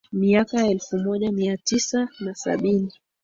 Miaka ya elfu moja mia tisa na sabini